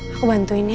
aku bantuin ya